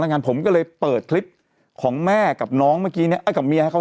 งานผมก็เลยเปิดคลิปของแม่กับน้องเมื่อกี้เนี่ยกับเมียเขา